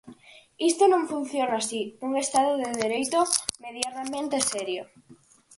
Isto non funciona así nun estado de dereito medianamente serio.